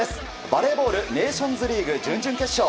バレーボールネーションズリーグ準々決勝。